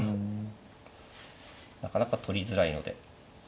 なかなか取りづらいので。